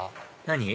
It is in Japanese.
何？